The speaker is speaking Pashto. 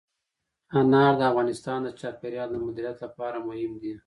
انار د افغانستان د چاپیریال د مدیریت لپاره مهم دي.